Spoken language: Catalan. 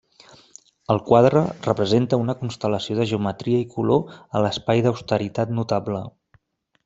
El quadre representa una constel·lació de geometria i color a l'espai d'austeritat notable.